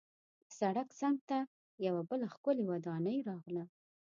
د سړک څنګ ته یوه بله ښکلې ودانۍ راغله.